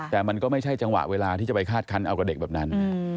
แต่มันก็ไม่ใช่จังหวะเวลาที่จะไปคาดคันเอากับเด็กแบบนั้น